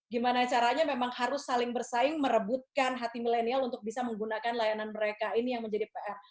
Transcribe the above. gimana caranya memang harus saling bersaing merebutkan hati milenial untuk bisa menggunakan layanan mereka ini yang menjadi pr